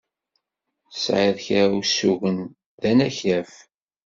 Tesɛiḍ kra usugen d anakkaf.